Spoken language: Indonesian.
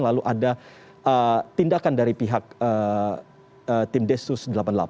lalu ada tindakan dari pihak tim densus delapan puluh delapan